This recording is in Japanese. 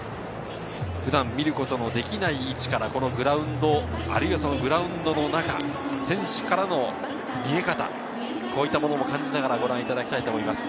普段見ることのできない位置からグラウンド、グラウンドの中、選手からの見え方、こういったものも感じながらご覧いただきたいと思います。